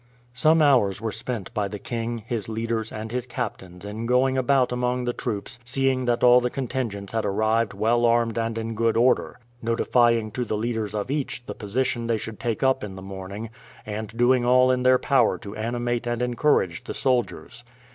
Some hours were spent by the king, his leaders, and his captains in going about among the troops seeing that all the contingents had arrived well armed and in good order, notifying to the leaders of each the position they should take up in the morning, and doing all in their power to animate and encourage the soldiers.